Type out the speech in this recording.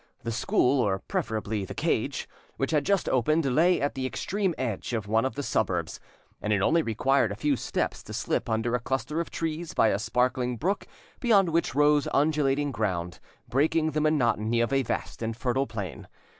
The school, or preferably the cage, which had just opened, lay at the extreme edge of one of the suburbs, and it only required a few steps to slip under a cluster of trees by a sparkling brook beyond which rose undulating ground, breaking the monotony of a vast and fertile plain.